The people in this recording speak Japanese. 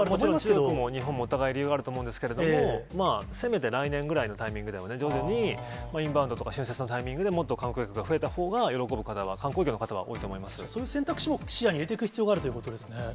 日本もお互い、理由があると思うんですけども、せめて来年ぐらいのタイミングでもね、徐々にインバウンドとか、春節のタイミングでもっと観光客が増えたほうが、喜ぶ方は、そういう選択肢も視野に入れていく必要があるということですね。